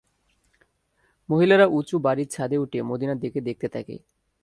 মহিলারা উঁচু বাড়ির ছাদে উঠে মদীনার দিকে দেখতে থাকে।